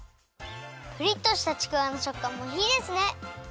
プリッとしたちくわのしょっかんもいいですね。